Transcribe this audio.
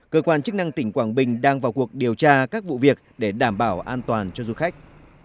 cơ quan chức năng tỉnh quảng bình đang vào cuộc điều tra các vụ việc để đảm bảo an toàn cho du khách